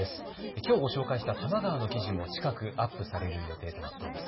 きょうご紹介した多摩川の記事も近くアップされる予定となっています。